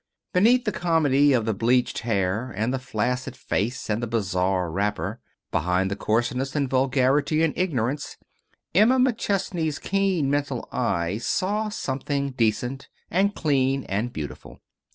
Beneath the comedy of the bleached hair, and the flaccid face, and the bizarre wrapper; behind the coarseness and vulgarity and ignorance, Emma McChesney's keen mental eye saw something decent and clean and beautiful.